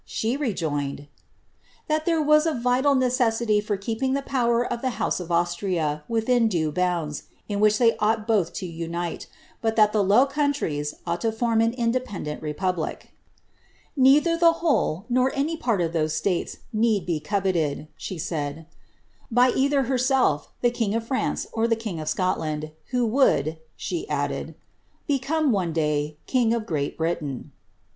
She rejoined, " that there was a vital necessity for keeping ilie power of the house of Austria within due bounds, in which they oughi both to unite, but that the Low Countries ought to form an independeni " Neither the whole, nor any part of those states, need be coveted,"' she said, " by either herself, the king of France, or the king of Scotland, who would," she added, " become, one day, king of Great Britain.'''